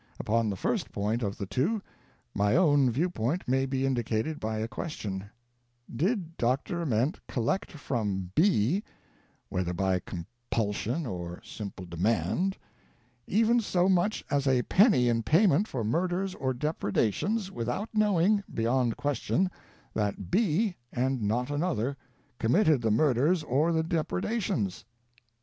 Upon the first point of the two, my own viewpoint may be indicated by a question : Did Dr. Ament collect from B, (whether by compulsion or simple demand), even so much as a penny in payment for murders or depredations, without knowing, beyond question, that B, and not another, committed the murders or the depredations?